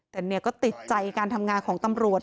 แต่เนี่ยก็ติดใจการทำงานของตำรวจ